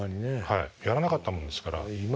はいやらなかったもんですから。